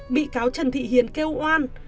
bị cáo trần thị hiền kêu oan